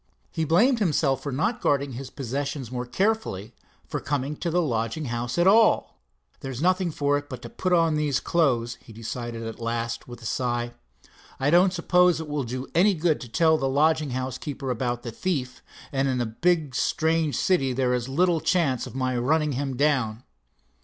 He blamed himself for not guarding his possessions more carefully, for coming to the lodging house at all. "There's nothing for it but to put on these clothes," he decided at last, with a sigh. "I don't suppose it will do any good to tell the lodging house keeper about the thief, and in a big, strange city there is little chance of my running him down."